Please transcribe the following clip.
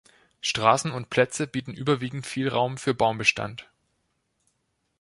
Straßen und Plätze bieten überwiegend viel Raum für Baumbestand.